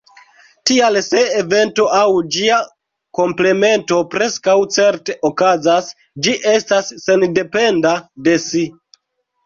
Tial se evento aŭ ĝia komplemento preskaŭ certe okazas, ĝi estas sendependa de si.